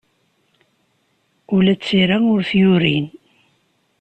Ula d tira ur t-yuri.